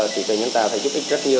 trí tuệ nhân tạo sẽ giúp ích rất nhiều